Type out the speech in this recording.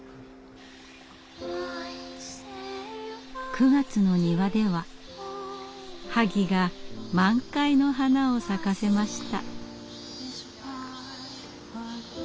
９月の庭では萩が満開の花を咲かせました。